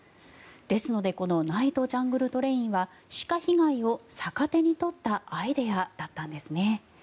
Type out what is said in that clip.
ですのでこのナイトジャングルトレインは鹿被害を逆手に取ったアイデアだったんですね。